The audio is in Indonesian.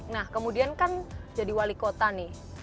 nah kemudian kan jadi wali kota nih